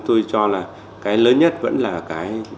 do đó là cái lớn nhất vẫn là cái